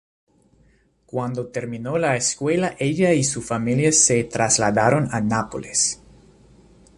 Cuando terminó la escuela ella y su familia se trasladaron a Nápoles.